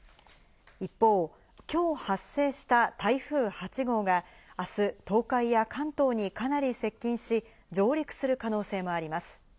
一方、今日発生した台風８号が明日、東海や関東にかなり接近し、上陸する可能性もあります。